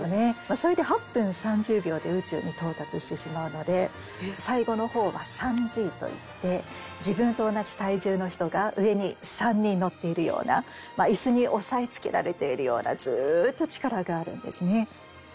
それで８分３０秒で宇宙に到達してしまうので最後の方は３Ｇといって自分と同じ体重の人が上に３人乗っているような椅子に押さえつけられているようなずーっと力があるんですね。